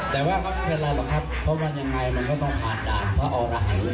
แต่ว่าเขาไม่เป็นไรหรอกครับเพราะว่ายังไงมันก็ต้องขาดด่านเพราะอ๋อหลาย